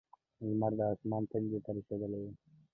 لمر د اسمان تندي ته رسېدلی و.